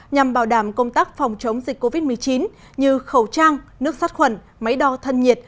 nhằm bảo đảm công tác phòng chống dịch covid một mươi chín như khẩu trang nước sát khuẩn máy đo thân nhiệt